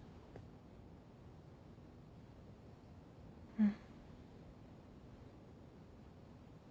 うん。